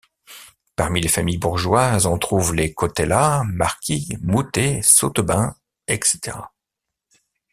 Parmi les familles bourgeoises on trouve les Kottelat, Marquis, Mouttet, Sautebin, etc.